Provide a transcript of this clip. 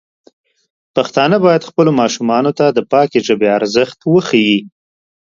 پښتانه بايد خپلو ماشومانو ته د پاکې ژبې ارزښت وښيي.